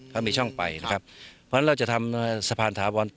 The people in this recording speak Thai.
เพราะฉะนั้นเราจะทำสะพานถาวร